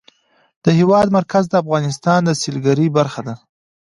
د هېواد مرکز د افغانستان د سیلګرۍ برخه ده.